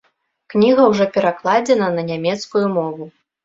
Кніга ўжо перакладзена на нямецкую мову.